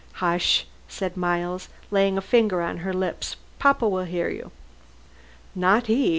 "Hush!" said Miles, laying a finger on her lips. "Papa will hear you." "Not he.